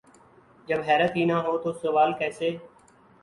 جب حیرت ہی نہ ہو تو سوال کیسے؟